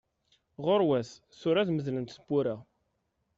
Ɣuṛwat, tura ad medlent teppura!